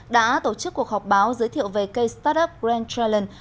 đã tổ chức cuộc họp báo giới thiệu về k startup grand challenge